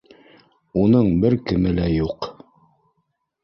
Уның бер кеме лә юҡ